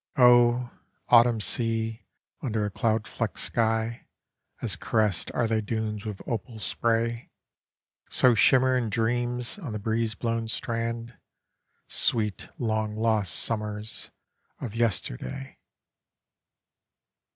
. Oil, autumn sea under a cloud f leoked sky As caressed are thy dunes with opal spray So shimmer in dreams on the breeze blown strand Sweet long lost summers of yesterday.